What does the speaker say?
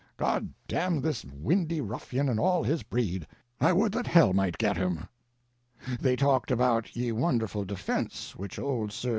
God damn this windy ruffian and all his breed. I wolde that hell mighte get him. They talked about ye wonderful defense which old Sr.